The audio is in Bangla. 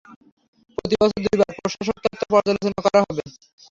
প্রতি বছর দুইবার প্রশাসকত্ব পর্যালোচনা করা হবে।